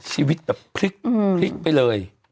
ชีวิตแบบพลิกไปเลย